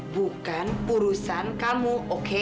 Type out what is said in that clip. bukan urusan kamu oke